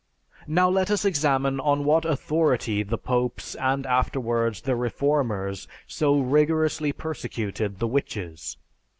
Now let us examine on what authority the popes and afterwards the reformers so rigorously persecuted the "witches."